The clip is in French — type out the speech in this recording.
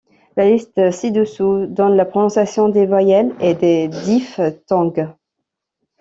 La liste ci-dessous donne la prononciation des voyelles et des diphtongues.